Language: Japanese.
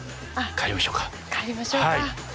帰りましょうか。